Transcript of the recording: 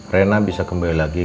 rena bisa kembali lagi